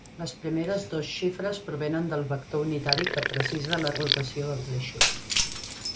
Les primeres dos xifres provenen del vector unitari que precisa la rotació dels eixos.